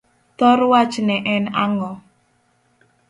thor wach ne en ango?